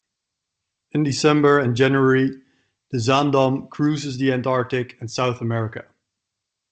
In December and January, the Zaandam cruises the Antarctic and South America.